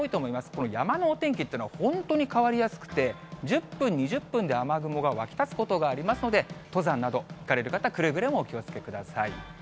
この山のお天気っていうのは本当に変わりやすくて、１０分、２０分で雨雲が湧き立つことがありますので、登山など行かれる方、くれぐれもお気をつけください。